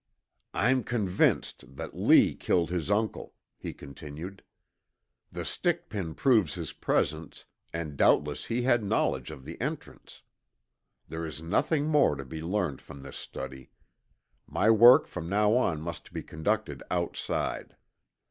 "I'm convinced that Lee killed his uncle," he continued. "The stick pin proves his presence, and doubtless he had knowledge of the entrance. There is nothing more to be learned from this study. My work from now on must be conducted outside.